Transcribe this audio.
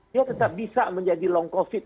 dia tetap bisa menjadi long covid